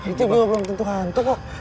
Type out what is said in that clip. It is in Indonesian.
itu belum tentu hantu kok